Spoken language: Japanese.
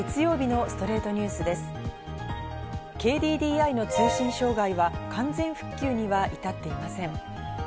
ＫＤＤＩの通信障害は完全復旧には至っていません。